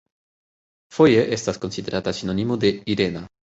Foje estas konsiderata sinonimo de "Irena".